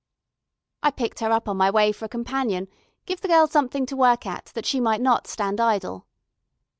"I picked her up on my way for a companion; give the girl something to work at, that she may not stand idle."